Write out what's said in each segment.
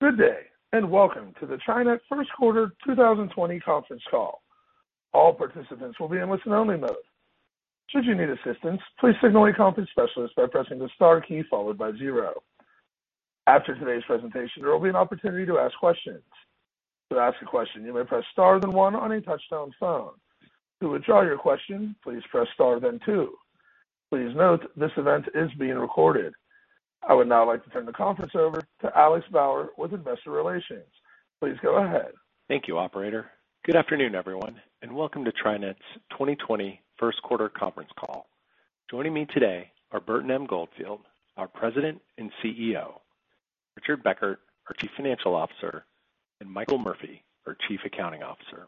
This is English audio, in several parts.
Good day, and welcome to the TriNet First Quarter 2020 Conference Call. All participants will be in listen-only mode. Should you need assistance, please signal a conference specialist by pressing the star key followed by 0. After today's presentation, there will be an opportunity to ask questions. To ask a question, you may press star then one on a touchtone phone. To withdraw your question, please press star then two. Please note this event is being recorded. I would now like to turn the conference over to Alex Bauer with Investor Relations. Please go ahead. Thank you, operator. Good afternoon, everyone, and welcome to TriNet's 2020 first quarter conference call. Joining me today are Burton M. Goldfield, our President and CEO, Richard Beckert, our Chief Financial Officer, and Michael Murphy, our Chief Accounting Officer.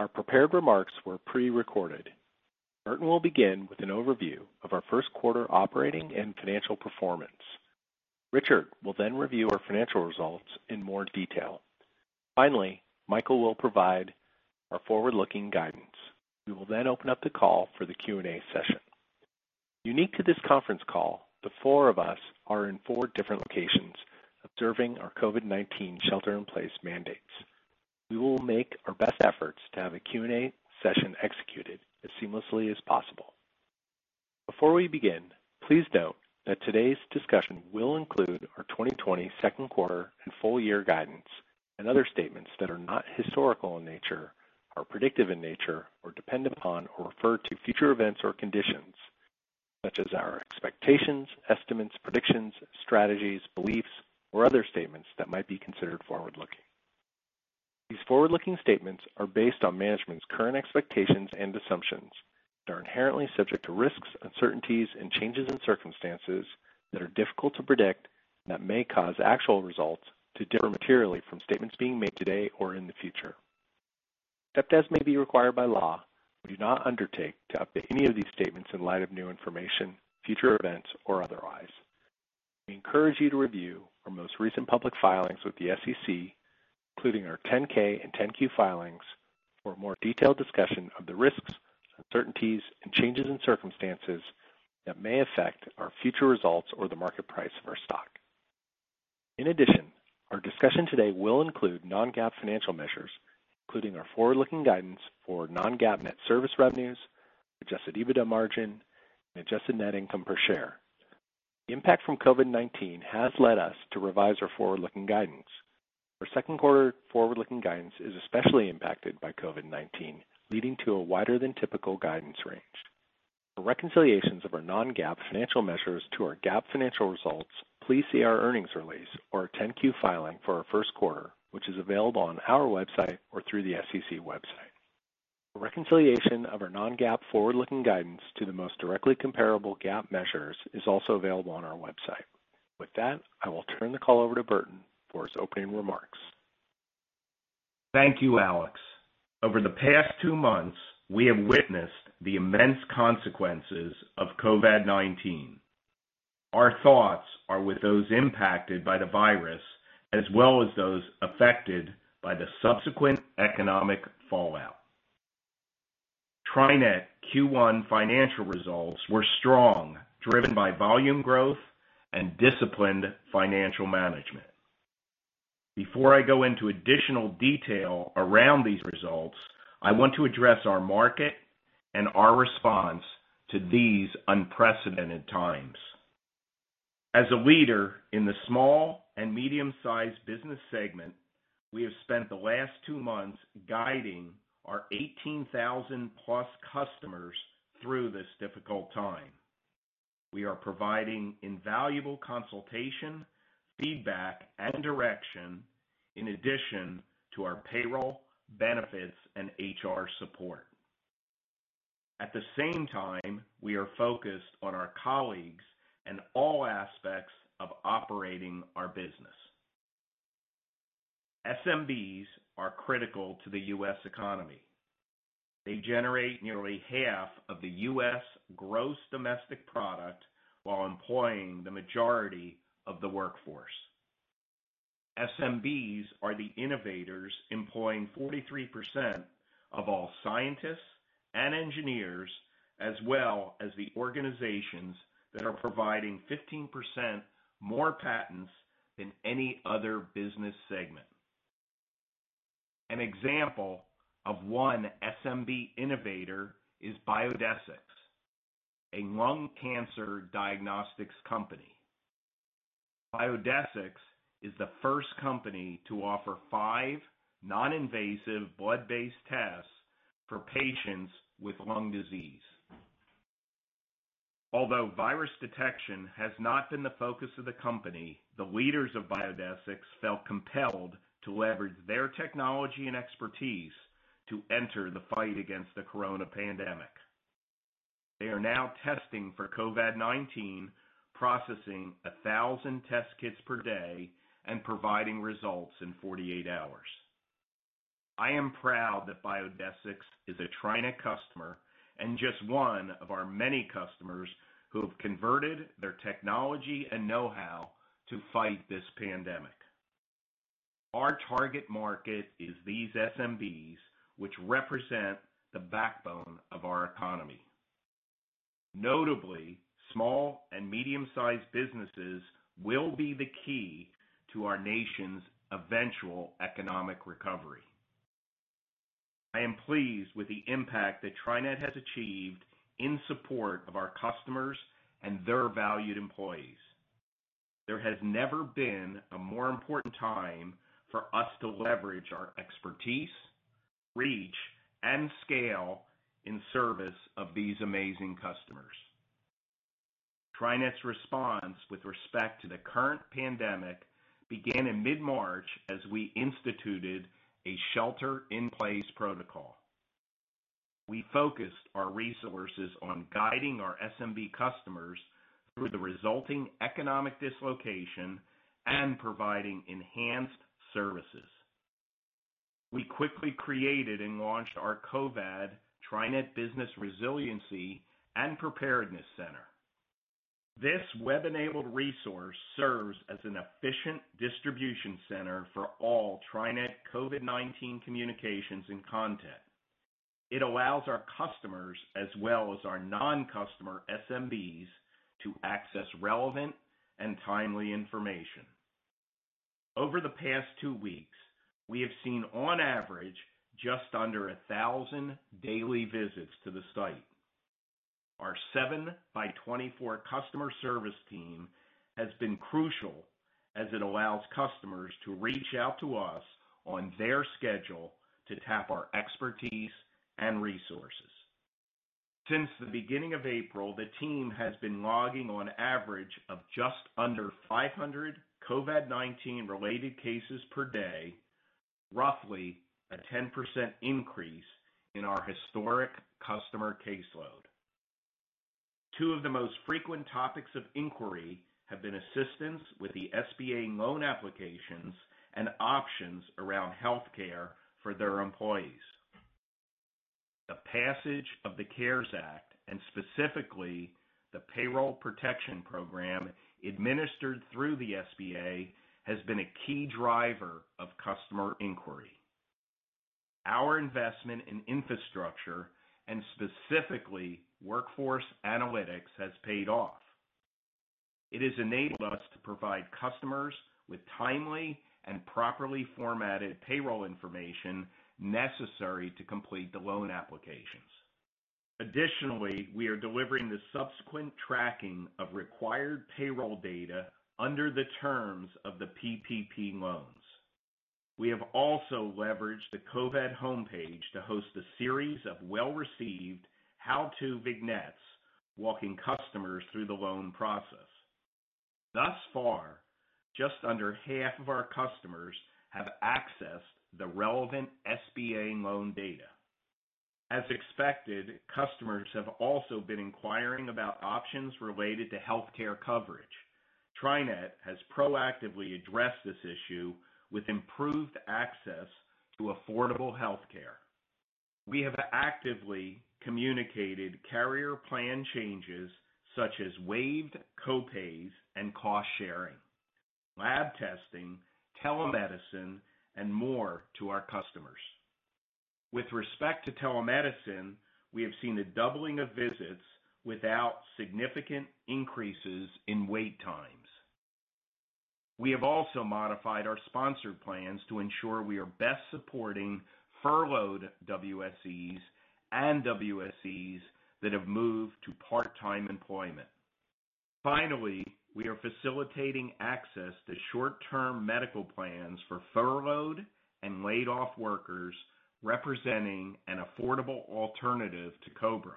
Our prepared remarks were pre-recorded. Burton will begin with an overview of our first quarter operating and financial performance. Richard will review our financial results in more detail. Finally, Michael will provide our forward-looking guidance. We will open up the call for the Q&A session. Unique to this conference call, the four of us are in four different locations observing our COVID-19 shelter-in-place mandates. We will make our best efforts to have a Q&A session executed as seamlessly as possible. Before we begin, please note that today's discussion will include our 2020 second quarter and full year guidance and other statements that are not historical in nature, are predictive in nature, or depend upon, or refer to future events or conditions, such as our expectations, estimates, predictions, strategies, beliefs, or other statements that might be considered forward-looking. These forward-looking statements are based on management's current expectations and assumptions that are inherently subject to risks, uncertainties, and changes in circumstances that are difficult to predict, and that may cause actual results to differ materially from statements being made today or in the future. Except as may be required by law, we do not undertake to update any of these statements in light of new information, future events, or otherwise. We encourage you to review our most recent public filings with the SEC, including our 10-K and 10-Q filings, for a more detailed discussion of the risks, uncertainties, and changes in circumstances that may affect our future results or the market price of our stock. In addition, our discussion today will include non-GAAP financial measures, including our forward-looking guidance for non-GAAP net service revenues, adjusted EBITDA margin, and adjusted net income per share. The impact from COVID-19 has led us to revise our forward-looking guidance. Our second quarter forward-looking guidance is especially impacted by COVID-19, leading to a wider than typical guidance range. For reconciliations of our non-GAAP financial measures to our GAAP financial results, please see our earnings release or our 10-Q filing for our first quarter, which is available on our website or through the SEC website. A reconciliation of our non-GAAP forward-looking guidance to the most directly comparable GAAP measures is also available on our website. With that, I will turn the call over to Burton for his opening remarks. Thank you, Alex. Over the past two months, we have witnessed the immense consequences of COVID-19. Our thoughts are with those impacted by the virus, as well as those affected by the subsequent economic fallout. TriNet Q1 financial results were strong, driven by volume growth and disciplined financial management. Before I go into additional detail around these results, I want to address our market and our response to these unprecedented times. As a leader in the small and medium-sized business segment, we have spent the last two months guiding our 18,000+ customers through this difficult time. We are providing invaluable consultation, feedback, and direction in addition to our payroll, benefits, and HR support. At the same time, we are focused on our colleagues and all aspects of operating our business. SMBs are critical to the U.S. economy. They generate nearly half of the U.S. gross domestic product while employing the majority of the workforce. SMBs are the innovators employing 43% of all scientists and engineers, as well as the organizations that are providing 15% more patents than any other business segment. An example of one SMB innovator is Biodesix, a lung cancer diagnostics company. Biodesix is the first company to offer five non-invasive blood-based tests for patients with lung disease. Although virus detection has not been the focus of the company, the leaders of Biodesix felt compelled to leverage their technology and expertise to enter the fight against the corona pandemic. They are now testing for COVID-19, processing 1,000 test kits per day, and providing results in 48 hours. I am proud that Biodesix is a TriNet customer and just one of our many customers who have converted their technology and know-how to fight this pandemic. Our target market is these SMBs, which represent the backbone of our economy. Notably, small and medium-sized businesses will be the key to our nation's eventual economic recovery. I am pleased with the impact that TriNet has achieved in support of our customers and their valued employees. There has never been a more important time for us to leverage our expertise, reach, and scale in service of these amazing customers. TriNet's response with respect to the current pandemic began in mid-March, as we instituted a shelter-in-place protocol. We focused our resources on guiding our SMB customers through the resulting economic dislocation and providing enhanced services. We quickly created and launched our COVID-19 Business Resiliency and Preparedness Center. This web-enabled resource serves as an efficient distribution center for all TriNet COVID-19 communications and content. It allows our customers, as well as our non-customer SMBs, to access relevant and timely information. Over the past two weeks, we have seen on average, just under 1,000 daily visits to the site. Our seven by 24 customer service team has been crucial as it allows customers to reach out to us on their schedule to tap our expertise and resources. Since the beginning of April, the team has been logging on average of just under 500 COVID-19 related cases per day, roughly a 10% increase in our historic customer caseload. Two of the most frequent topics of inquiry have been assistance with the SBA loan applications and options around healthcare for their employees. The passage of the CARES Act, and specifically the Paycheck Protection Program administered through the SBA, has been a key driver of customer inquiry. Our investment in infrastructure, and specifically workforce analytics, has paid off. It has enabled us to provide customers with timely and properly formatted payroll information necessary to complete the loan applications. Additionally, we are delivering the subsequent tracking of required payroll data under the terms of the PPP loans. We have also leveraged the COVID-19 homepage to host a series of well-received how-to vignettes walking customers through the loan process. Thus far, just under half of our customers have accessed the relevant SBA loan data. As expected, customers have also been inquiring about options related to healthcare coverage. TriNet has proactively addressed this issue with improved access to affordable healthcare. We have actively communicated carrier plan changes such as waived co-pays and cost-sharing, lab testing, telemedicine, and more to our customers. With respect to telemedicine, we have seen a doubling of visits without significant increases in wait times. We have also modified our sponsored plans to ensure we are best supporting furloughed WSEs and WSEs that have moved to part-time employment. Finally, we are facilitating access to short-term medical plans for furloughed and laid-off workers, representing an affordable alternative to COBRA.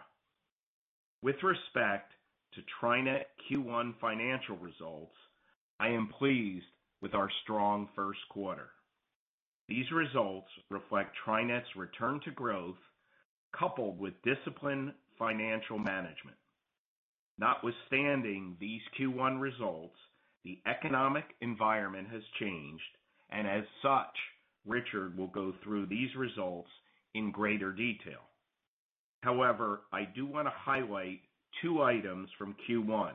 With respect to TriNet Q1 financial results, I am pleased with our strong first quarter. These results reflect TriNet's return to growth, coupled with disciplined financial management. Notwithstanding these Q1 results, the economic environment has changed, and as such, Richard will go through these results in greater detail. I do want to highlight two items from Q1,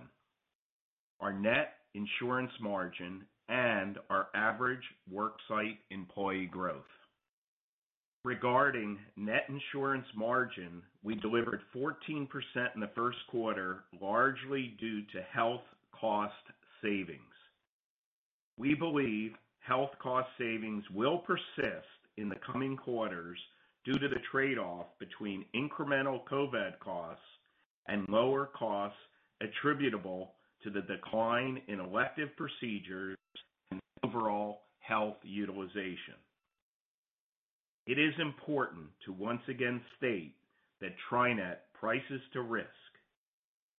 our net insurance margin and our average worksite employee growth. Regarding net insurance margin, we delivered 14% in the first quarter, largely due to health cost savings. We believe health cost savings will persist in the coming quarters due to the trade-off between incremental COVID-19 costs and lower costs attributable to the decline in elective procedures and overall health utilization. It is important to once again state that TriNet prices to risk.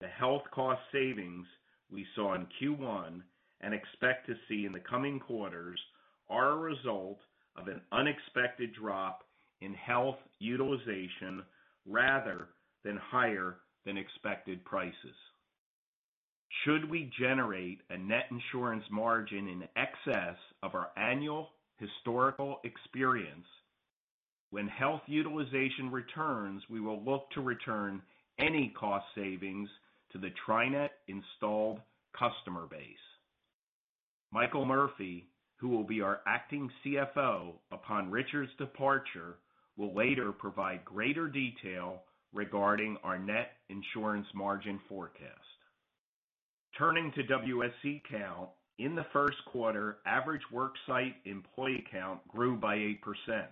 The health cost savings we saw in Q1 and expect to see in the coming quarters are a result of an unexpected drop in health utilization rather than higher than expected prices. Should we generate a net insurance margin in excess of our annual historical experience, when health utilization returns, we will look to return any cost savings to the TriNet installed customer base. Michael Murphy, who will be our acting CFO upon Richard's departure, will later provide greater detail regarding our net insurance margin forecast. Turning to WSE count, in the first quarter, average worksite employee count grew by 8%.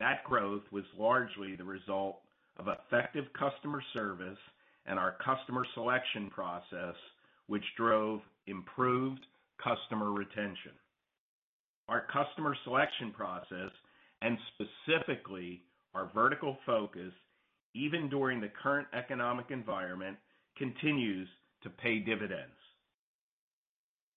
That growth was largely the result of effective customer service and our customer selection process, which drove improved customer retention. Our customer selection process, specifically our vertical focus, even during the current economic environment, continues to pay dividends.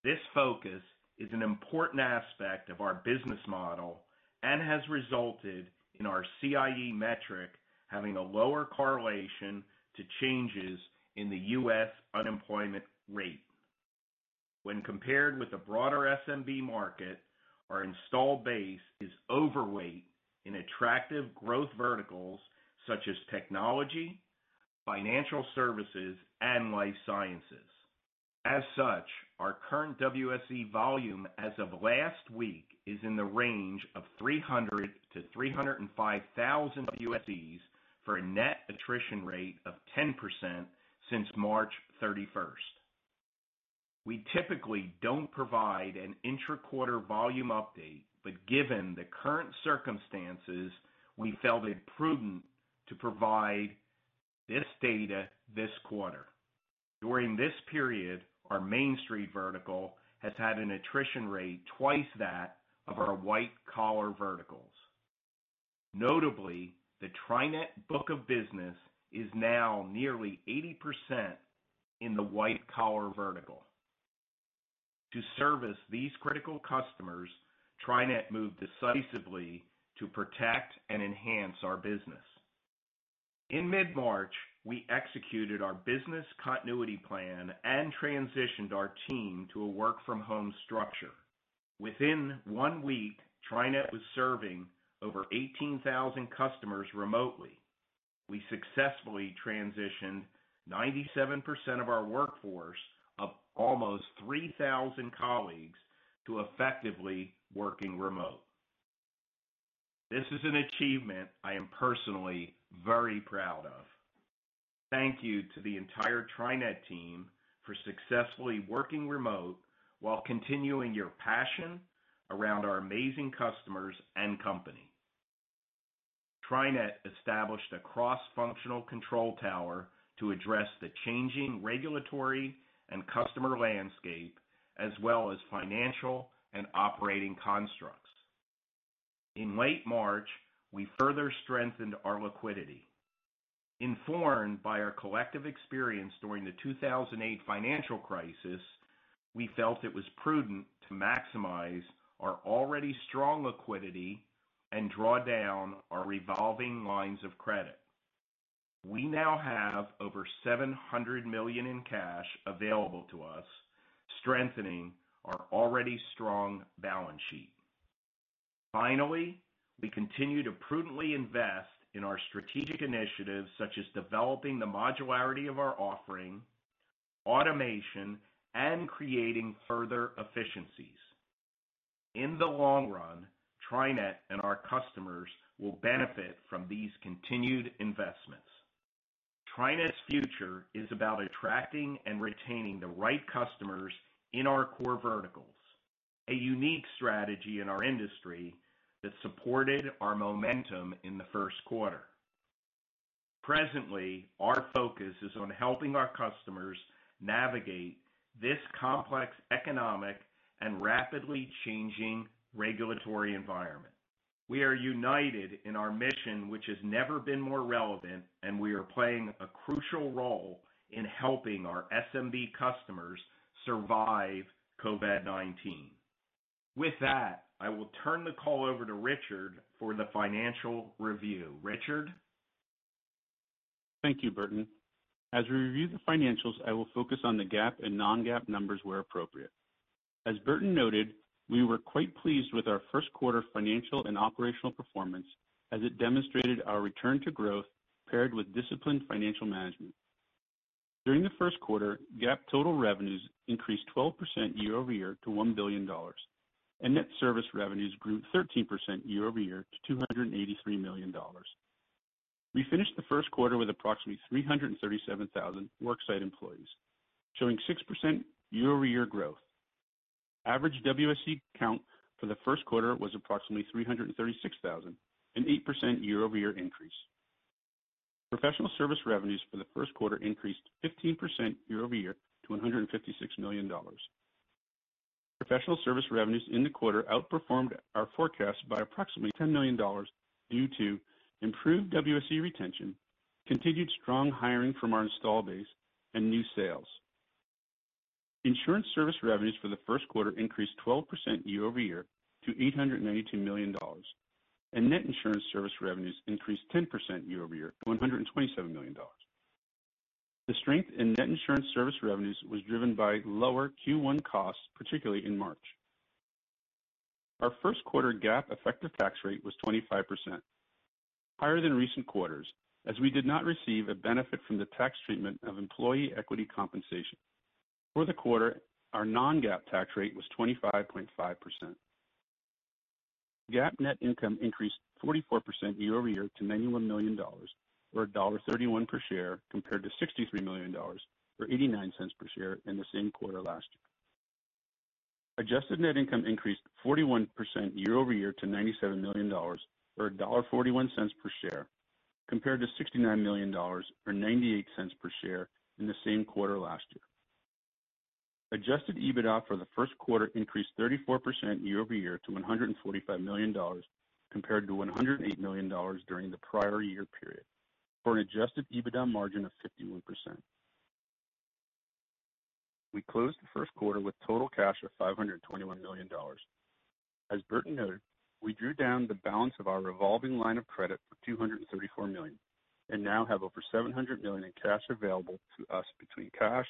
This focus is an important aspect of our business model and has resulted in our CIE metric having a lower correlation to changes in the U.S. unemployment rate. When compared with the broader SMB market, our installed base is overweight in attractive growth verticals such as technology, financial services, and life sciences. As such, our current WSE volume as of last week is in the range of 300,000-305,000 WSEs for a net attrition rate of 10% since March 31st. We typically don't provide an intra-quarter volume update, given the current circumstances, we felt it prudent to provide this data this quarter. During this period, our Main Street vertical has had an attrition rate twice that of our white-collar verticals. Notably, the TriNet book of business is now nearly 80% in the white-collar vertical. To service these critical customers, TriNet moved decisively to protect and enhance our business. In mid-March, we executed our business continuity plan and transitioned our team to a work-from-home structure. Within one week, TriNet was serving over 18,000 customers remotely. We successfully transitioned 97% of our workforce of almost 3,000 colleagues to effectively working remote. This is an achievement I am personally very proud of. Thank you to the entire TriNet team for successfully working remote while continuing your passion around our amazing customers and company. TriNet established a cross-functional control tower to address the changing regulatory and customer landscape, as well as financial and operating constructs. In late March, we further strengthened our liquidity. Informed by our collective experience during the 2008 financial crisis, we felt it was prudent to maximize our already strong liquidity and draw down our revolving lines of credit. We now have over $700 million in cash available to us, strengthening our already strong balance sheet. We continue to prudently invest in our strategic initiatives, such as developing the modularity of our offering, automation, and creating further efficiencies. In the long run, TriNet and our customers will benefit from these continued investments. TriNet's future is about attracting and retaining the right customers in our core verticals, a unique strategy in our industry that supported our momentum in the first quarter. Presently, our focus is on helping our customers navigate this complex economic and rapidly changing regulatory environment. We are united in our mission, which has never been more relevant, and we are playing a crucial role in helping our SMB customers survive COVID-19. With that, I will turn the call over to Richard for the financial review. Richard? Thank you, Burton. As we review the financials, I will focus on the GAAP and non-GAAP numbers where appropriate. As Burton noted, we were quite pleased with our first quarter financial and operational performance as it demonstrated our return to growth paired with disciplined financial management. During the first quarter, GAAP-total revenues increased 12% year-over-year to $1 billion, and net service revenues grew 13% year-over-year to $283 million. We finished the first quarter with approximately 337,000 worksite employees, showing 6% year-over-year growth. Average WSE count for the first quarter was approximately 336,000, an 8% year-over-year increase. Professional service revenues for the first quarter increased 15% year-over-year to $156 million. Professional service revenues in the quarter outperformed our forecast by approximately $10 million due to improved WSE retention, continued strong hiring from our install base, and new sales. Insurance service revenues for the first quarter increased 12% year-over-year to $892 million. Net insurance service revenues increased 10% year-over-year to $127 million. The strength in net insurance service revenues was driven by lower Q1 costs, particularly in March. Our first quarter GAAP effective tax rate was 25%, higher than recent quarters as we did not receive a benefit from the tax treatment of employee equity compensation. For the quarter, our non-GAAP tax rate was 25.5%. GAAP net income increased 44% year-over-year to $91 million, or $1.31 per share, compared to $63 million or $0.89 per share in the same quarter last year. Adjusted net income increased 41% year-over-year to $97 million, or $1.41 per share, compared to $69 million or $0.98 per share in the same quarter last year. Adjusted EBITDA for the first quarter increased 34% year-over-year to $145 million, compared to $108 million during the prior year period, for an adjusted EBITDA margin of 51%. We closed the first quarter with total cash of $521 million. As Burton noted, we drew down the balance of our revolving line of credit for $234 million and now have over $700 million in cash available to us between cash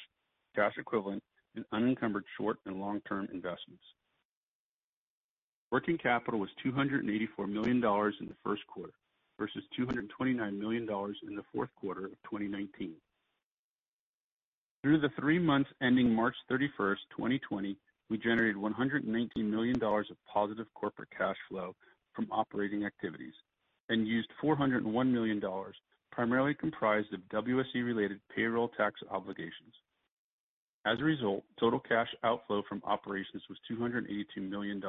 equivalent, and unencumbered short and long-term investments. Working capital was $284 million in the first quarter versus $229 million in the fourth quarter of 2019. Through the three months ending March 31st, 2020, we generated $119 million of positive corporate cash flow from operating activities and used $401 million, primarily comprised of WSE related payroll tax obligations. As a result, total cash outflow from operations was $282 million.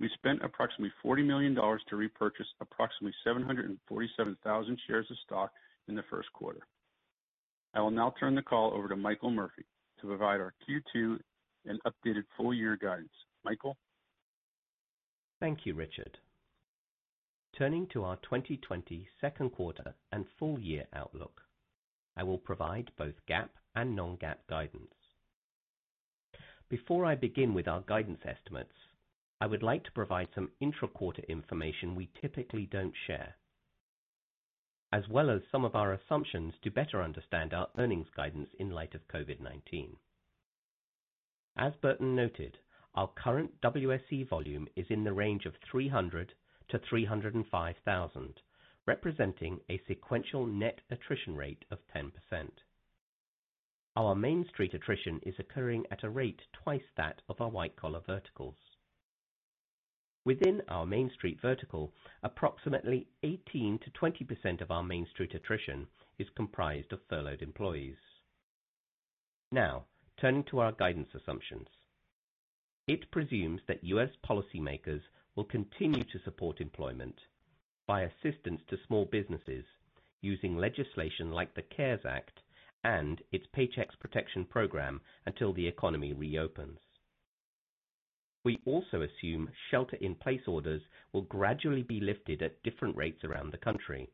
We spent approximately $40 million to repurchase approximately 747,000 shares of stock in the first quarter. I will now turn the call over to Michael Murphy to provide our Q2 and updated full year guidance. Michael? Thank you, Richard. Turning to our 2020 second quarter and full year outlook, I will provide both GAAP and non-GAAP guidance. Before I begin with our guidance estimates, I would like to provide some intra-quarter information we typically don't share, as well as some of our assumptions to better understand our earnings guidance in light of COVID-19. As Burton noted, our current WSE volume is in the range of 300,000-305,000, representing a sequential net attrition rate of 10%. Our Main Street attrition is occurring at a rate twice that of our white-collar verticals. Within our Main Street vertical, approximately 18%-20% of our Main Street attrition is comprised of furloughed employees. Turning to our guidance assumptions. It presumes that U.S. policymakers will continue to support employment by assistance to small businesses using legislation like the CARES Act and its Paycheck Protection Program until the economy reopens. We also assume shelter-in-place orders will gradually be lifted at different rates around the country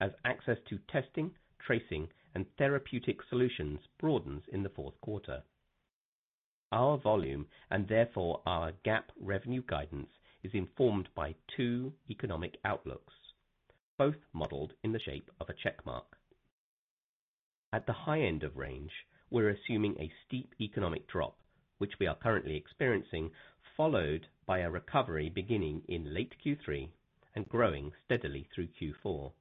as access to testing, tracing, and therapeutic solutions broadens in the fourth quarter. Our volume, and therefore our GAAP revenue guidance, is informed by two economic outlooks, both modeled in the shape of a check mark. At the high end of range, we're assuming a steep economic drop, which we are currently experiencing, followed by a recovery beginning in late Q3 and growing steadily through Q4.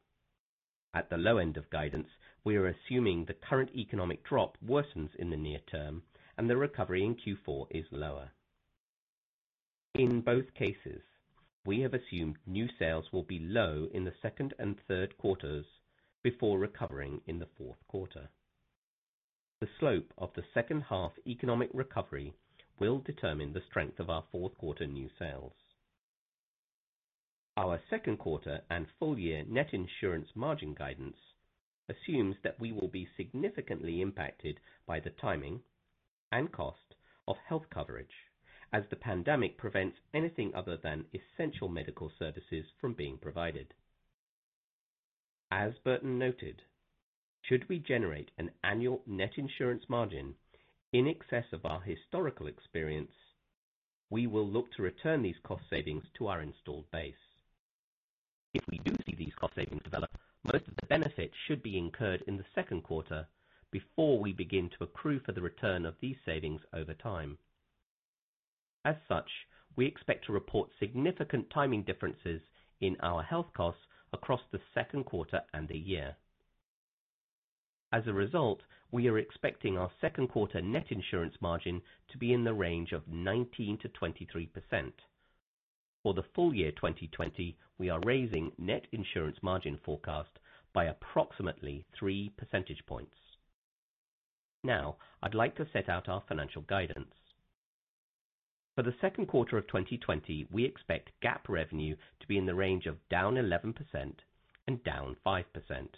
At the low end of guidance, we are assuming the current economic drop worsens in the near term and the recovery in Q4 is lower. In both cases, we have assumed new sales will be low in the second and third quarters before recovering in the fourth quarter. The slope of the second half economic recovery will determine the strength of our fourth quarter new sales. Our second quarter and full year net insurance margin guidance assumes that we will be significantly impacted by the timing and cost of health coverage as the pandemic prevents anything other than essential medical services from being provided. As Burton noted, should we generate an annual net insurance margin in excess of our historical experience, we will look to return these cost savings to our installed base. If we do see these cost savings develop, most of the benefit should be incurred in the second quarter before we begin to accrue for the return of these savings over time. As such, we expect to report significant timing differences in our health costs across the second quarter and the year. As a result, we are expecting our second quarter net insurance margin to be in the range of 19%-23%. For the full year 2020, we are raising net insurance margin forecast by approximately 3 percentage points. Now I'd like to set out our financial guidance. For the second quarter of 2020, we expect GAAP revenue to be in the range of down 11% and down 5%,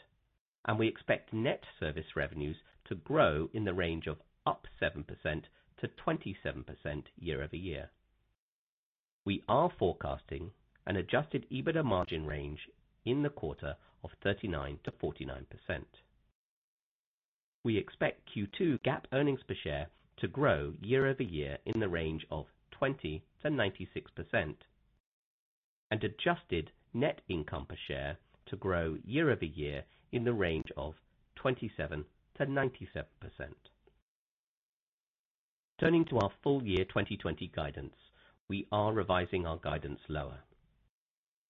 and we expect net service revenues to grow in the range of up 7%-27% year-over-year. We are forecasting an adjusted EBITDA margin range in the quarter of 39%-49%. We expect Q2 GAAP earnings per share to grow year-over-year in the range of 20%-96%. Adjusted net income per share to grow year-over-year in the range of 27%-97%. Turning to our full year 2020 guidance, we are revising our guidance lower.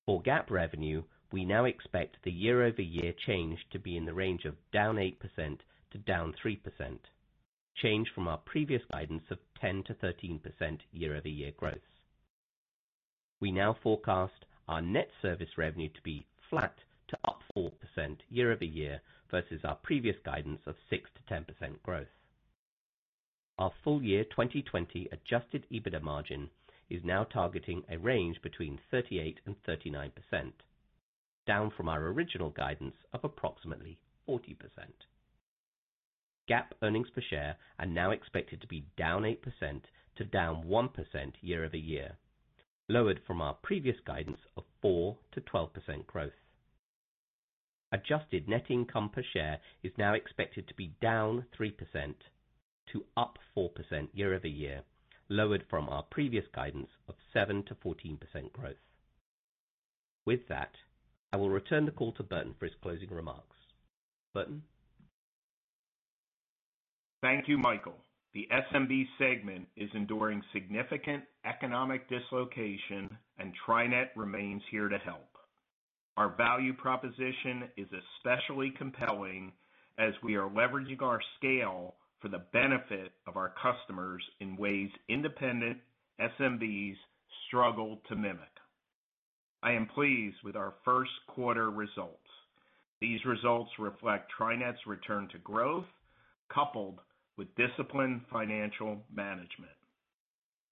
For GAAP revenue, we now expect the year-over-year change to be in the range of down 8% to down 3%, change from our previous guidance of 10%-13% year-over-year growth. We now forecast our net service revenue to be flat to up 4% year-over-year versus our previous guidance of 6%-10% growth. Our full year 2020 adjusted EBITDA margin is now targeting a range between 38% and 39%, down from our original guidance of approximately 40%. GAAP earnings per share are now expected to be down 8% to down 1% year-over-year, lowered from our previous guidance of 4%-12% growth. Adjusted net income per share is now expected to be down 3% to up 4% year-over-year, lowered from our previous guidance of 7%-14% growth. With that, I will return the call to Burton for his closing remarks. Burton? Thank you, Michael. The SMB segment is enduring significant economic dislocation and TriNet remains here to help. Our value proposition is especially compelling as we are leveraging our scale for the benefit of our customers in ways independent SMBs struggle to mimic. I am pleased with our first quarter results. These results reflect TriNet's return to growth, coupled with disciplined financial management.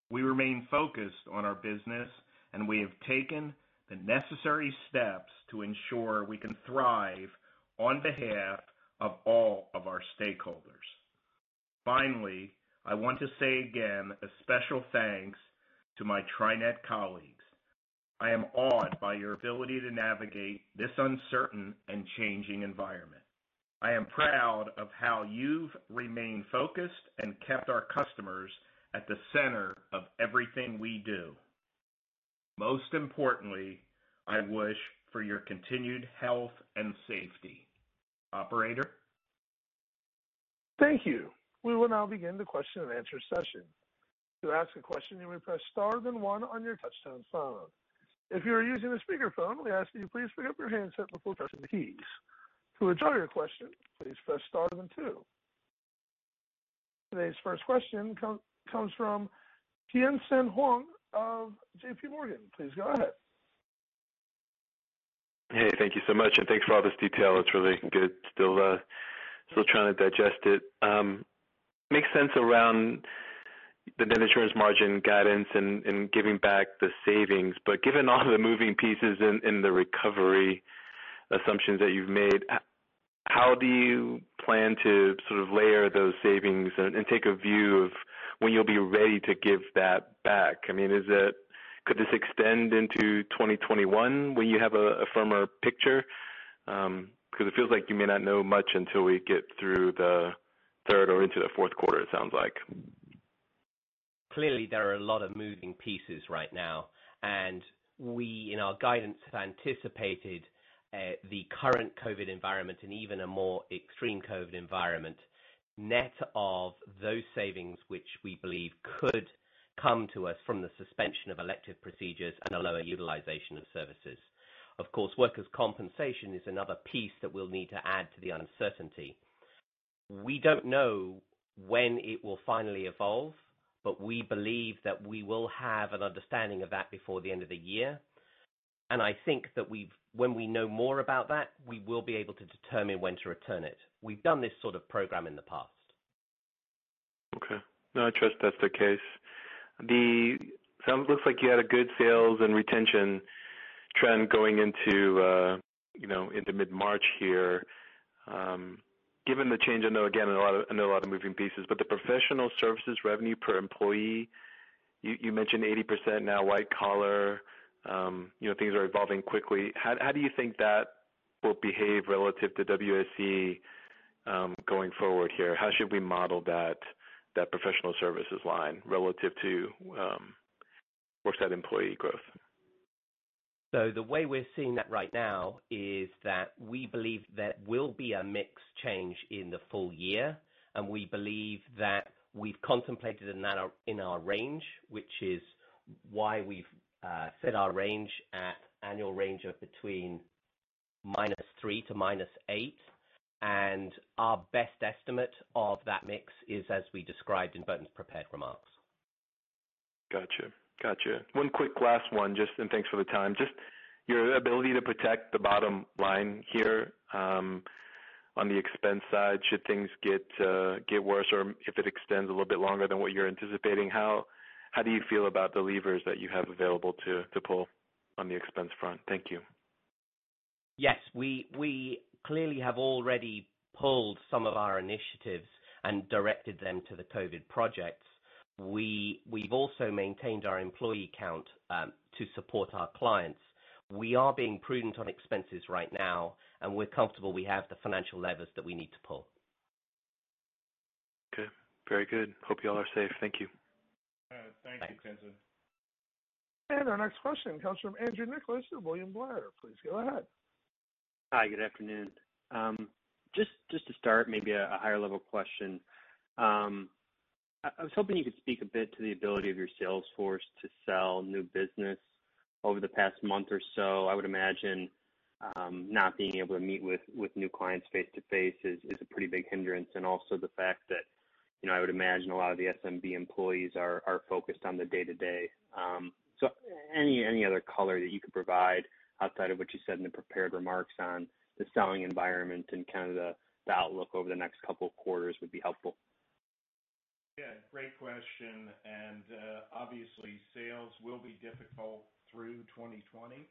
We remain focused on our business, and we have taken the necessary steps to ensure we can thrive on behalf of all of our stakeholders. Finally, I want to say again, a special thanks to my TriNet colleagues. I am awed by your ability to navigate this uncertain and changing environment. I am proud of how you've remained focused and kept our customers at the center of everything we do. Most importantly, I wish for your continued health and safety. Operator? Thank you. We will now begin the question and answer session. To ask a question, you may press star then one on your touch-tone phone. If you are using a speakerphone, we ask that you please pick up your handset before pressing the keys. To withdraw your question, please press star then two. Today's first question comes from Tien-tsin Huang of JPMorgan. Please go ahead. Hey, thank you so much. Thanks for all this detail. It's really good. Still trying to digest it. Makes sense around the net insurance margin guidance and giving back the savings. Given all the moving pieces in the recovery assumptions that you've made, how do you plan to sort of layer those savings and take a view of when you'll be ready to give that back? Could this extend into 2021 when you have a firmer picture? It feels like you may not know much until we get through the third or into the fourth quarter, it sounds like. Clearly, there are a lot of moving pieces right now. We, in our guidance, have anticipated the current COVID environment and even a more extreme COVID environment, net of those savings, which we believe could come to us from the suspension of elective procedures and a lower utilization of services. Of course, workers' compensation is another piece that we'll need to add to the uncertainty. We don't know when it will finally evolve. We believe that we will have an understanding of that before the end of the year. I think that when we know more about that, we will be able to determine when to return it. We've done this sort of program in the past. Okay. No, I trust that's the case. It looks like you had a good sales and retention trend going into mid-March here. Given the change, I know, again, a lot of moving pieces, but the professional services revenue per employee, you mentioned 80% now white collar, things are evolving quickly. How do you think that will behave relative to WSE going forward here? How should we model that professional services line relative to Worksite Employee growth? The way we're seeing that right now is that we believe there will be a mix change in the full year, and we believe that we've contemplated in our range, which is why we've set our range at annual range of between -3% to -8%. Our best estimate of that mix is as we described in Burton's prepared remarks. Got you. One quick last one, and thanks for the time. Just your ability to protect the bottom line here, on the expense side, should things get worse or if it extends a little bit longer than what you're anticipating, how do you feel about the levers that you have available to pull on the expense front? Thank you. Yes. We clearly have already pulled some of our initiatives and directed them to the COVID projects. We've also maintained our employee count to support our clients. We are being prudent on expenses right now, and we're comfortable we have the financial levers that we need to pull. Okay. Very good. Hope you all are safe. Thank you. Thank you, Tien-tsin. Our next question comes from Andrew Nicholas of William Blair. Please go ahead. Hi, good afternoon. Just to start, maybe a higher-level question. I was hoping you could speak a bit to the ability of your sales force to sell new business over the past month or so. I would imagine, not being able to meet with new clients face-to-face is a pretty big hindrance. Also the fact that, I would imagine a lot of the SMB employees are focused on the day-to-day. Any other color that you could provide outside of what you said in the prepared remarks on the selling environment and kind of the outlook over the next couple of quarters would be helpful. Yeah, great question. Obviously, sales will be difficult through 2020.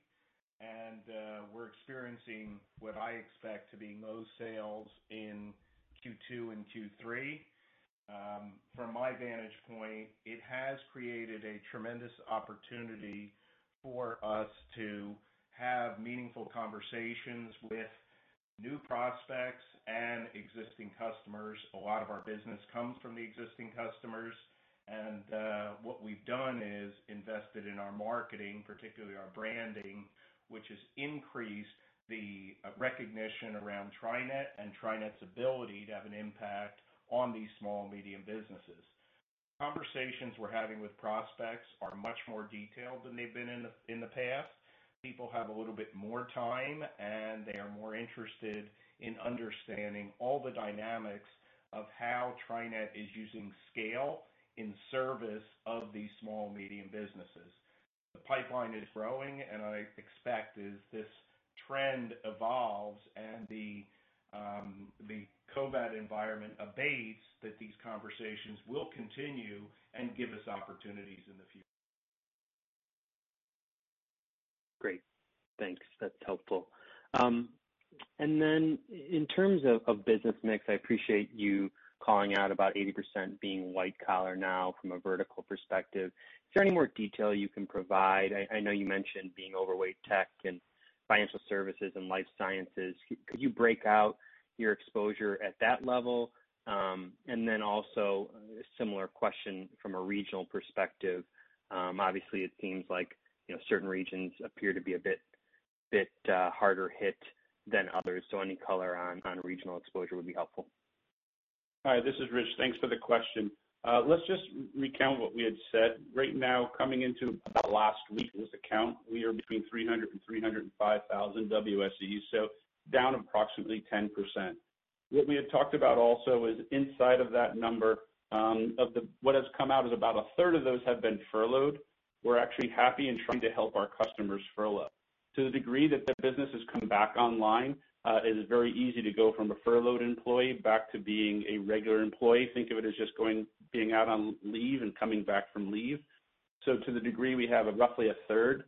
We're experiencing what I expect to be low sales in Q2 and Q3. From my vantage point, it has created a tremendous opportunity for us to have meaningful conversations with new prospects and existing customers. A lot of our business comes from the existing customers. What we've done is invested in our marketing, particularly our branding, which has increased the recognition around TriNet and TriNet's ability to have an impact on these small-medium businesses. Conversations we're having with prospects are much more detailed than they've been in the past. People have a little bit more time, and they are more interested in understanding all the dynamics of how TriNet is using scale in service of these small-medium businesses. The pipeline is growing, and I expect as this trend evolves and the COVID-19 environment abates, that these conversations will continue and give us opportunities in the future. Great. Thanks. That's helpful. Then in terms of business mix, I appreciate you calling out about 80% being white collar now from a vertical perspective. Is there any more detail you can provide? I know you mentioned being overweight tech and financial services and life sciences. Could you break out your exposure at that level? Then also a similar question from a regional perspective. Obviously, it seems like certain regions appear to be a bit harder hit than others. Any color on regional exposure would be helpful. Hi, this is Rich. Thanks for the question. Let's just recount what we had said. Right now, coming into about last week's count, we are between 300,000 and 305,000 WSEs, so down approximately 10%. What we had talked about also is inside of that number, what has come out is about a third of those have been furloughed. We're actually happy and trying to help our customers furlough. To the degree that their businesses come back online, it is very easy to go from a furloughed employee back to being a regular employee. Think of it as just being out on leave and coming back from leave. To the degree we have roughly a third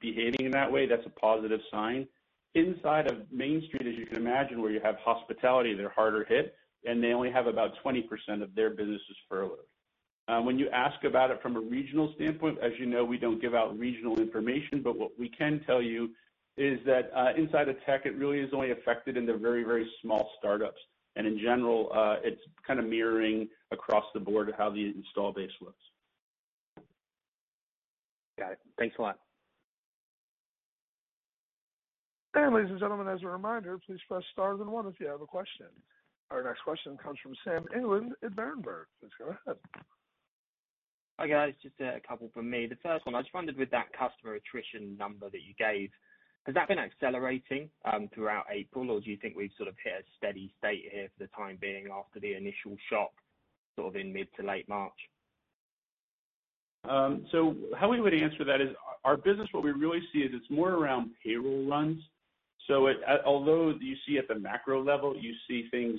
behaving in that way, that's a positive sign. Inside of Main Street, as you can imagine, where you have hospitality, they're harder hit, and they only have about 20% of their businesses furloughed. When you ask about it from a regional standpoint, as you know, we don't give out regional information, but what we can tell you is that inside of tech, it really is only affected in the very small startups. In general, it's kind of mirroring across the board how the install base looks. Got it. Thanks a lot. Ladies and gentlemen, as a reminder, please press star then one if you have a question. Our next question comes from Sam England at Berenberg. Please go ahead. Hi, guys. Just a couple from me. The first one, I just wondered with that customer attrition number that you gave, has that been accelerating throughout April, or do you think we've sort of hit a steady state here for the time being after the initial shock sort of in mid to late March? How we would answer that is our business, what we really see is it's more around payroll runs. Although you see at the macro level, you see things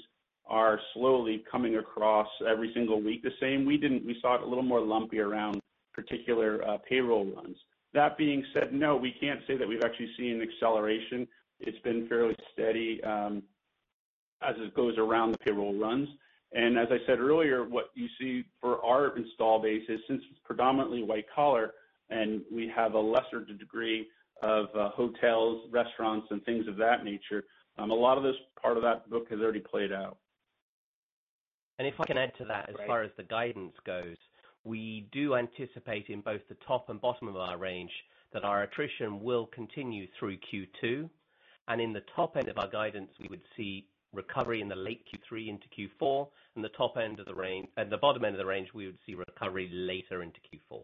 are slowly coming across every single week the same, we saw it a little more lumpy around particular payroll runs. That being said, no, we can't say that we've actually seen an acceleration. It's been fairly steady as it goes around the payroll runs. As I said earlier, what you see for our install base is since it's predominantly white collar and we have a lesser degree of hotels, restaurants, and things of that nature, a lot of this part of that book has already played out. If I can add to that, as far as the guidance goes, we do anticipate in both the top and bottom of our range that our attrition will continue through Q2. In the top end of our guidance, we would see recovery in the late Q3 into Q4, and the bottom end of the range, we would see recovery later into Q4.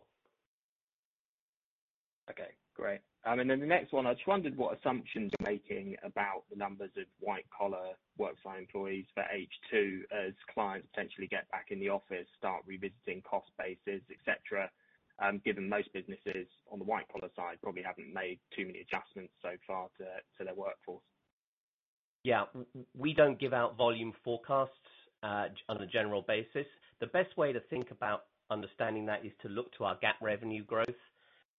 Okay. Great. The next one, I just wondered what assumptions you're making about the numbers of white-collar workforce employees for H2 as clients potentially get back in the office, start revisiting cost bases, et cetera, given most businesses on the white-collar side probably haven't made too many adjustments so far to their workforce. Yeah. We don't give out volume forecasts on a general basis. The best way to think about understanding that is to look to our GAAP revenue growth.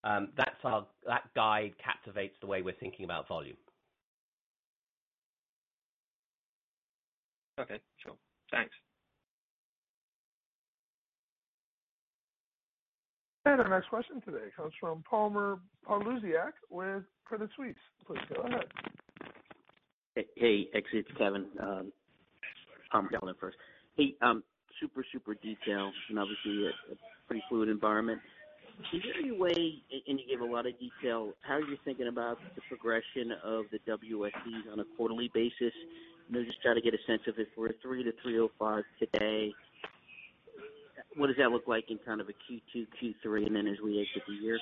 That guide captivates the way we're thinking about volume. Okay, sure. Thanks. Our next question today comes from Palmer Paluziak with Credit Suisse. Please go ahead. Hey, it's Kevin. Hey, super detailed and obviously a pretty fluid environment. Is there any way, and you gave a lot of detail, how are you thinking about the progression of the WSEs on a quarterly basis? Just trying to get a sense of if we're at 300,000-305,000 today, what does that look like in kind of a Q2, Q3, and then as we age through the year?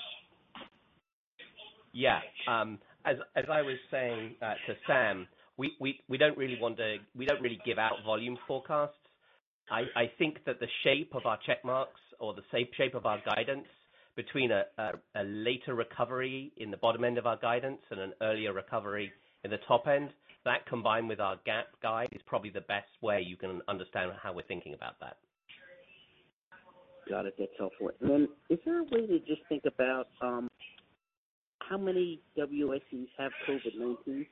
As I was saying to Sam, we don't really give out volume forecasts. I think that the shape of our check marks or the shape of our guidance between a later recovery in the bottom end of our guidance and an earlier recovery in the top end, that combined with our GAAP guide, is probably the best way you can understand how we're thinking about that. Got it. That's helpful. Is there a way to just think about how many WSEs have COVID-19?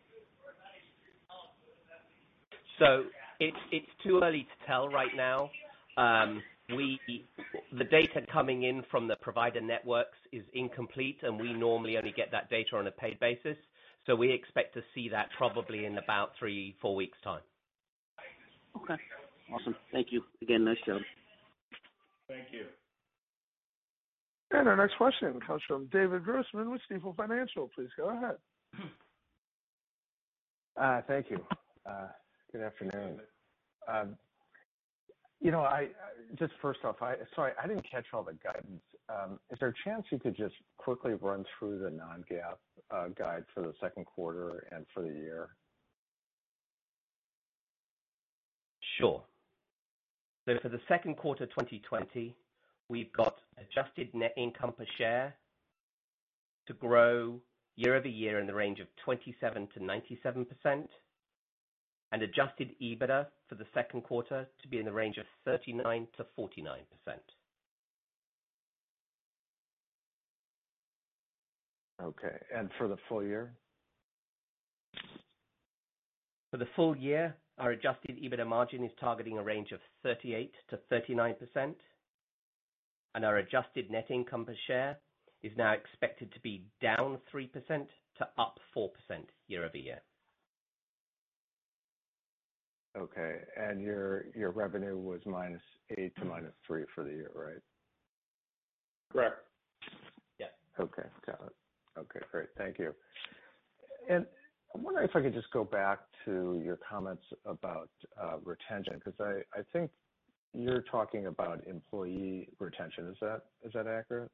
It's too early to tell right now. The data coming in from the provider networks is incomplete, and we normally only get that data on a paid basis. We expect to see that probably in about three, four weeks' time. Okay. Awesome. Thank you. Again, nice job. Thank you. Our next question comes from David Grossman with Stifel Financial. Please go ahead. Thank you. Good afternoon. Just first off, sorry, I didn't catch all the guidance. Is there a chance you could just quickly run through the non-GAAP guide for the second quarter and for the year? Sure. For the second quarter 2020, we've got adjusted net income per share to grow year-over-year in the range of 27%-97%, and adjusted EBITDA for the second quarter to be in the range of 39%-49%. Okay. For the full year? For the full year, our adjusted EBITDA margin is targeting a range of 38%-39%. Our adjusted net income per share is now expected to be down 3% to up 4% year-over-year. Okay. your revenue was -8% to -3% for the year, right? Correct. Yeah. Okay. Got it. Okay, great. Thank you. I wonder if I could just go back to your comments about retention, because I think you're talking about employee retention. Is that accurate?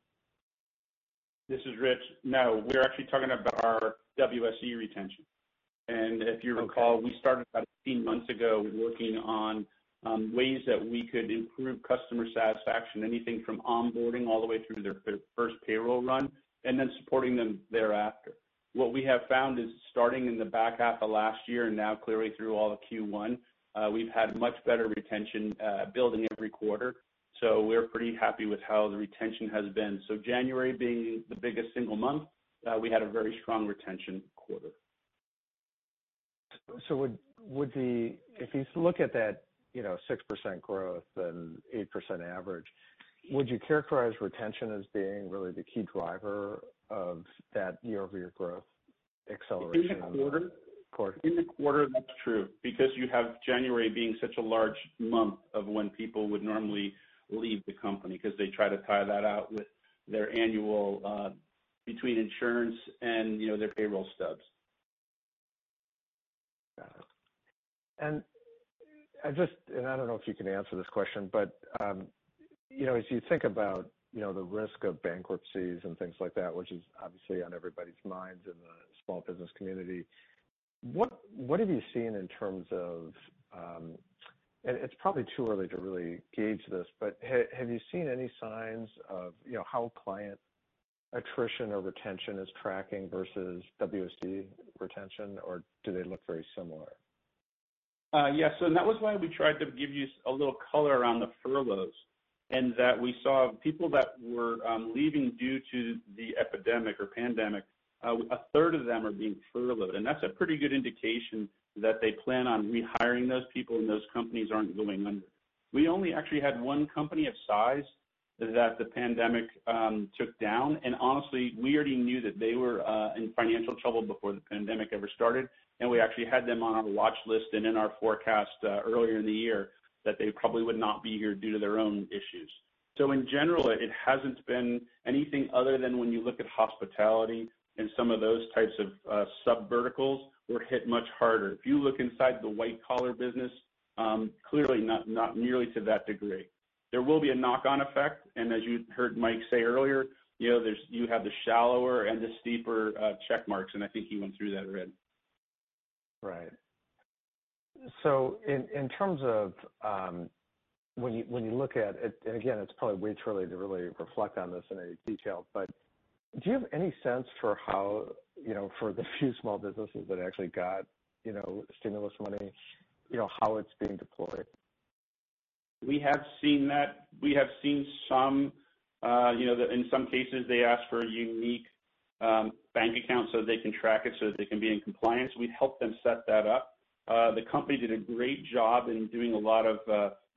This is Rich. No, we're actually talking about our WSE retention. If you recall, we started about 18 months ago working on ways that we could improve customer satisfaction, anything from onboarding all the way through their first payroll run, and then supporting them thereafter. What we have found is starting in the back half of last year and now clearly through all of Q1, we've had much better retention building every quarter. We're pretty happy with how the retention has been. January being the biggest single month, we had a very strong retention quarter. If you look at that 6% growth and 8% average, would you characterize retention as being really the key driver of that year-over-year growth acceleration? In the quarter- Of course. in the quarter, that's true, because you have January being such a large month of when people would normally leave the company because they try to tie that out with their annual, between insurance and their payroll stubs. Got it. I don't know if you can answer this question, but as you think about the risk of bankruptcies and things like that, which is obviously on everybody's minds in the small business community, what have you seen in terms of, and it's probably too early to really gauge this, but have you seen any signs of how client attrition or retention is tracking versus WSE retention, or do they look very similar? Yes. That was why we tried to give you a little color on the furloughs, and that we saw people that were leaving due to the epidemic or pandemic, a third of them are being furloughed. That's a pretty good indication that they plan on rehiring those people, and those companies aren't going under. We only actually had one company of size that the pandemic took down, and honestly, we already knew that they were in financial trouble before the pandemic ever started. We actually had them on our watch list and in our forecast earlier in the year that they probably would not be here due to their own issues. In general, it hasn't been anything other than when you look at hospitality and some of those types of subverticals were hit much harder. If you look inside the white collar business, clearly not nearly to that degree. There will be a knock-on effect, and as you heard Mike say earlier, you have the shallower and the steeper check marks, and I think he went through that already. Right. Again, it's probably way too early to really reflect on this in any detail, but do you have any sense for how, for the few small businesses that actually got stimulus money, how it's being deployed? We have seen that. We have seen some, in some cases, they ask for a unique bank account so they can track it so that they can be in compliance. We helped them set that up. The company did a great job in doing a lot of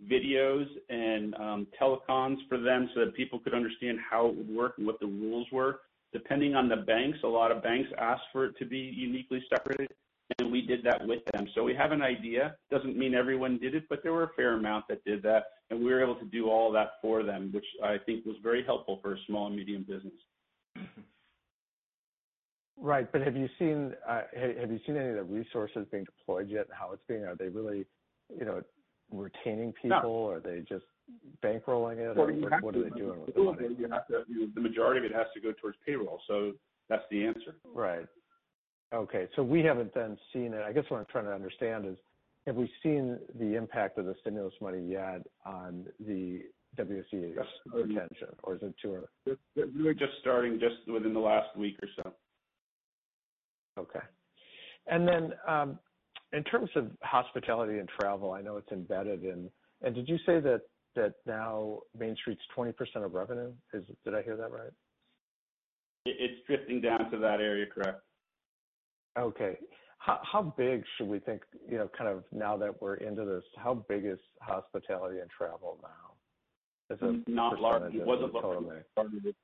videos and telecons for them so that people could understand how it would work and what the rules were. Depending on the banks, a lot of banks asked for it to be uniquely separated, and we did that with them. We have an idea. Doesn't mean everyone did it, but there were a fair amount that did that, and we were able to do all of that for them, which I think was very helpful for a small and medium business. Right. Have you seen any of the resources being deployed yet? How it's being? Are they really retaining people? No. Are they just bankrolling it? Well, you have to. What are they doing with the money? The majority of it has to go towards payroll. That's the answer. Right. Okay. We haven't then seen it. I guess what I'm trying to understand is, have we seen the impact of the stimulus money yet on the WSE retention? Or is it too early? We're just starting, just within the last week or so. Okay. In terms of hospitality and travel, I know it's embedded in. Did you say that now Main Street's 20% of revenue? Did I hear that right? It's drifting down to that area, correct. Okay. How big should we think, kind of now that we're into this, how big is hospitality and travel now as a percentage of the total? Not large. It was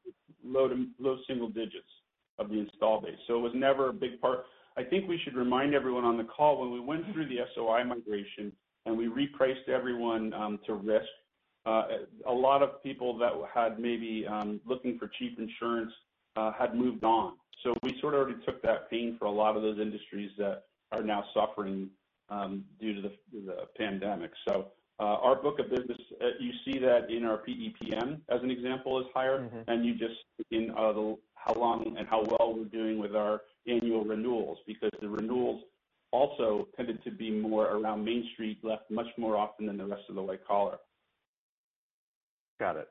a low single digits of the install base, so it was never a big part. I think we should remind everyone on the call when we went through the SOI migration and we repriced everyone to risk, a lot of people that had maybe looking for cheap insurance had moved on. We sort of already took that pain for a lot of those industries that are now suffering due to the pandemic. Our book of business, you see that in our PEPM, as an example, is higher. You just in how long and how well we're doing with our annual renewals, because the renewals also tended to be more around Main Street left much more often than the rest of the white collar. Got it.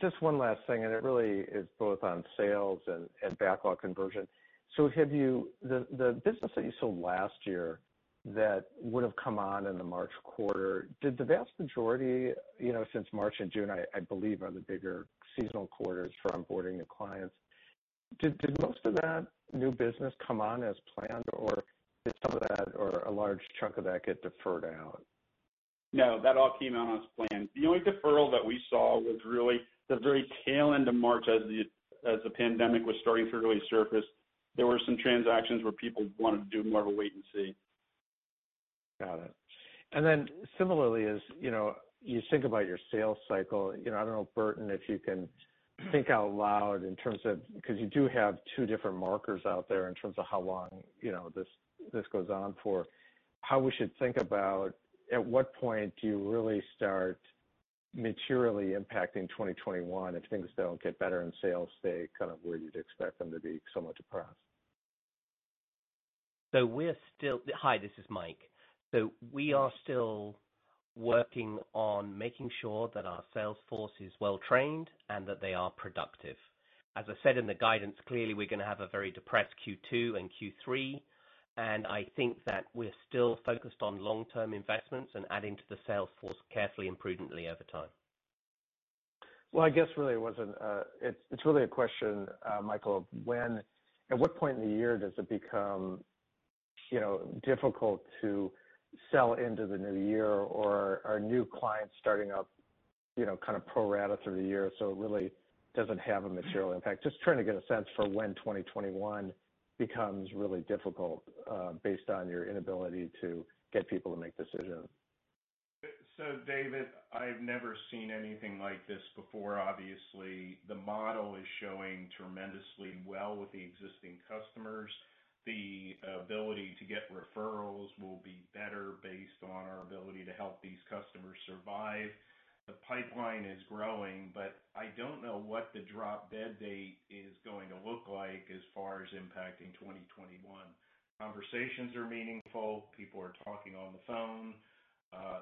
Just one last thing, and it really is both on sales and backlog conversion. The business that you sold last year, that would've come on in the March quarter. Since March and June, I believe, are the bigger seasonal quarters for onboarding new clients. Did most of that new business come on as planned, or did some of that or a large chunk of that get deferred out? No, that all came out as planned. The only deferral that we saw was really the very tail end of March as the pandemic was starting to really surface. There were some transactions where people wanted to do more of a wait and see. Got it. Similarly, as you think about your sales cycle, I don't know, Burton, if you can think out loud in terms of, because you do have two different markers out there in terms of how long this goes on for, how we should think about at what point do you really start materially impacting 2021 if things don't get better and sales stay kind of where you'd expect them to be somewhat depressed? Hi, this is Mike. We are still working on making sure that our sales force is well-trained and that they are productive. As I said in the guidance, clearly we're going to have a very depressed Q2 and Q3, and I think that we're still focused on long-term investments and adding to the sales force carefully and prudently over time. Well, I guess it's really a question, Michael, at what point in the year does it become difficult to sell into the new year or are new clients starting up kind of pro rata through the year, so it really doesn't have a material impact? Trying to get a sense for when 2021 becomes really difficult based on your inability to get people to make decisions. David, I've never seen anything like this before, obviously. The model is showing tremendously well with the existing customers. The ability to get referrals will be better based on our ability to help these customers survive. The pipeline is growing, I don't know what the drop dead date is going to look like as far as impacting 2021. Conversations are meaningful. People are talking on the phone.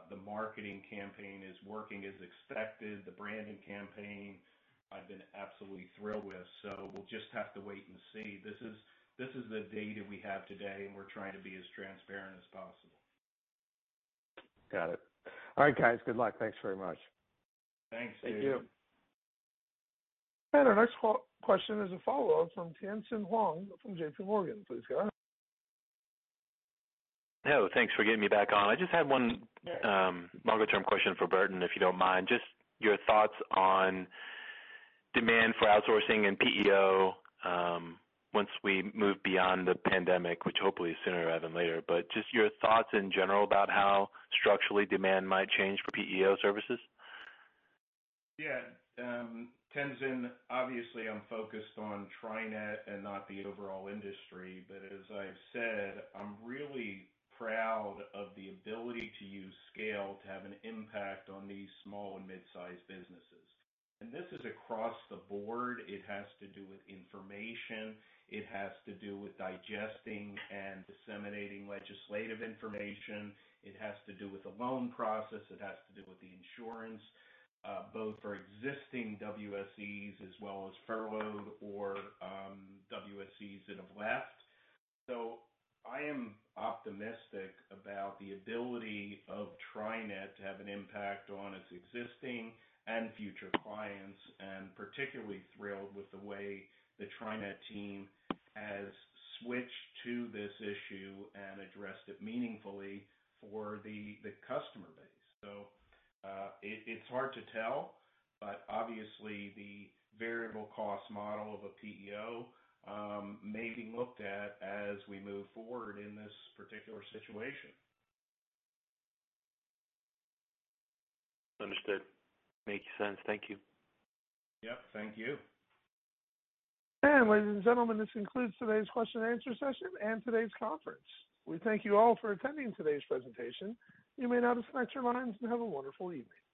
The marketing campaign is working as expected. The branding campaign I've been absolutely thrilled with. We'll just have to wait and see. This is the data we have today, we're trying to be as transparent as possible. Got it. All right, guys. Good luck. Thanks very much. Thanks, David. Thank you. Our next question is a follow-up from Tien-tsin Huang from JPMorgan. Please go ahead. Hello. Thanks for getting me back on. I just had one longer-term question for Burton, if you don't mind. Just your thoughts on demand for outsourcing and PEO once we move beyond the pandemic, which hopefully is sooner rather than later. Just your thoughts in general about how structurally demand might change for PEO services. Yeah. Tien-tsin, obviously, I'm focused on TriNet and not the overall industry, as I've said, I'm really proud of the ability to use scale to have an impact on these small and mid-sized businesses. This is across the board. It has to do with information. It has to do with digesting and disseminating legislative information. It has to do with the loan process. It has to do with the insurance both for existing WSEs as well as furloughed or WSEs that have left. I am optimistic about the ability of TriNet to have an impact on its existing and future clients, and particularly thrilled with the way the TriNet team has switched to this issue and addressed it meaningfully for the customer base. It's hard to tell, but obviously the variable cost model of a PEO may be looked at as we move forward in this particular situation. Understood. Makes sense. Thank you. Yep, thank you. Ladies and gentlemen, this concludes today's question and answer session and today's conference. We thank you all for attending today's presentation. You may now disconnect your lines and have a wonderful evening.